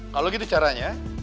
kalau gitu caranya